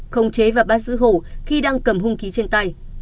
không chế và bắt giữ hổ khi đang cầm hung khí trên tay